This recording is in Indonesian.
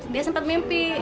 dia sempat mimpi